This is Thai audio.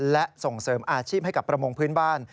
และส่งเสริมอาชีพให้กับประมงพื้นบ้าน